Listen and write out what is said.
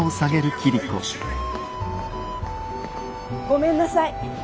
ごめんなさい。